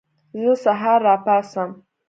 زه هر سهار راپاڅم.